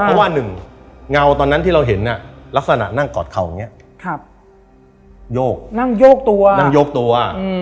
เพราะว่าหนึ่งเงาตอนนั้นที่เราเห็นลักษณะนั่งกอดเข่าอย่างนี้โยกนั่งโยกตัวนั่งโยกตัว